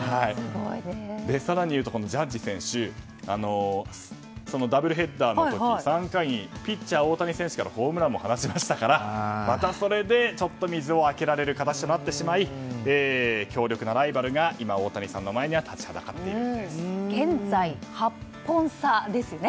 更に言うと、ジャッジ選手そのダブルヘッダーの時３回にピッチャー大谷選手からホームランを放ちましたからまたそれでちょっと溝を開けられる形となってしまい強力なライバルが今、大谷さんの前に現在、８本差ですね。